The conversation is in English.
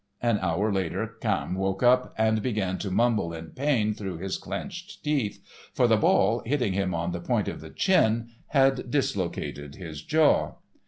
An hour later Camme woke up and began to mumble in pain through his clenched teeth, for the ball, hitting him on the point of the chin, had dislocated his jaw.